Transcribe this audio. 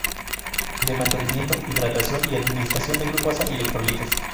De mantenimiento: hidratación y administración de glucosa y electrolitos.